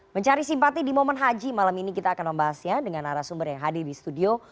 mencari simpati di momen haji malam ini kita akan membahas ya dengan narasumber yang hadir di studio